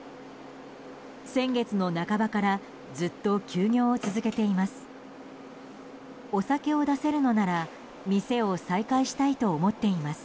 先月の半ばからずっと休業を続けています。